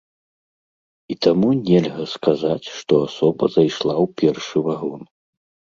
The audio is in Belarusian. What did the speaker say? І таму нельга сказаць, што асоба зайшла ў першы вагон.